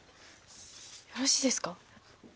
よろしいですか？